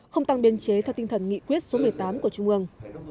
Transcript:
không tăng biên chế theo tinh thần nghị quyết số một mươi tám của trung ương